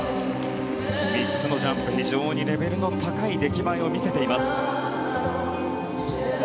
３つのジャンプ非常にレベルの高い出来栄えを見せています。